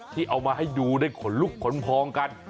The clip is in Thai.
ที่เอามาให้ดูได้ขนลุกขนพองกัน